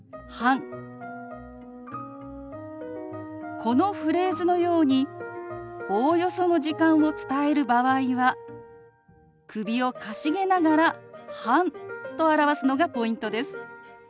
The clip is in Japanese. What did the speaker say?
このフレーズのようにおおよその時間を伝える場合は首をかしげながら「半」と表すのがポイントです。